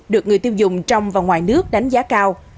được người tiêu dùng trong và ngoài nước đánh giá cao